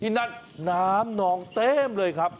นั่นน้ำนองเต็มเลยครับ